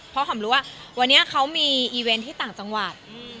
เพราะหอมรู้ว่าวันนี้เขามีอีเวนต์ที่ต่างจังหวัด